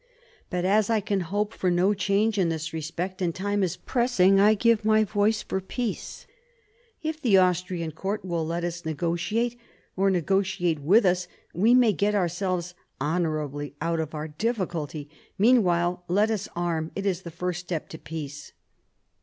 But as I can hope for no change in this respect, and time is pressing, I give my voice for peaca If the Austrian court will let us negotiate, or negotiate with us, we may get ourselves honourably out of our difficulty. Meanwhile let us arm ; it is the first step to peace."